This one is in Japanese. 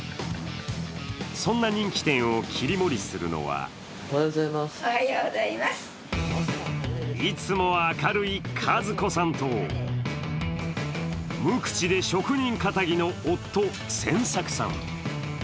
そんな人気店を切り盛りするのはいつも明るい和子さんと、無口で職人かたぎの夫・仙作さん。